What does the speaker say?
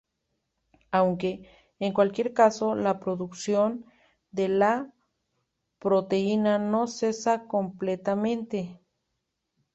Aunque, en cualquier caso, la producción de la proteína no cesa completamente.